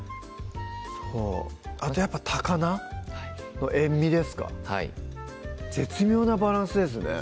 そうあとやっぱ高菜の塩みですかはい絶妙なバランスですね